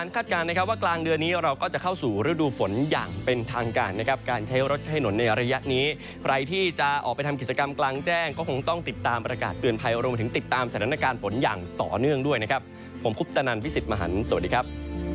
ระยะนี้ใครที่จะออกไปทำกิจกรรมกลางแจ้งก็คงต้องติดตามอากาศเตือนภัยรวมถึงติดตามสถานการณ์ฝนอย่างต่อเนื่องด้วยนะครับผมพุทธนันทร์วิสิตมหันฯสวัสดีครับ